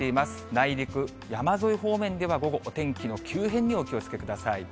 内陸、山沿い方面では午後、お天気の急変にお気をつけください。